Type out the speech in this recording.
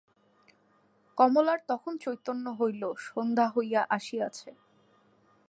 কমলার তখন চৈতন্য হইল সন্ধ্যা হইয়া আসিয়াছে।